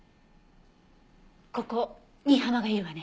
ここ新浜がいるわね。